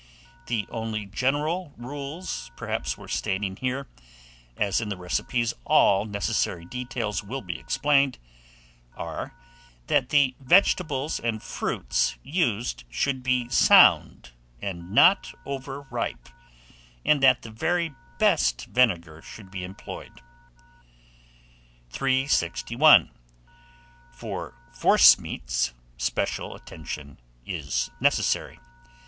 The only general rules, perhaps, worth stating here, as in the recipes all necessary details will be explained, are, that the vegetables and fruits used should be sound, and not over ripe, and that the very best vinegar should be employed. 361. FOR FORCEMEATS, SPECIAL ATTENTION IS NECESSARY.